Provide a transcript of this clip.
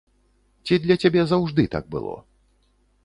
Ці для цябе заўжды так было?